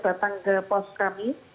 datang ke pos kami